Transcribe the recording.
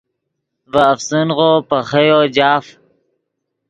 ڤے افسنغو پے خییو جاف